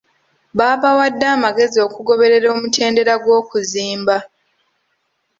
Baabawadde amagezi okugoberera omutendera gw'okuzimba.